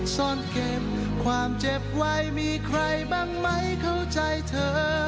ซ่อนเก็บความเจ็บไว้มีใครบ้างไหมเข้าใจเธอ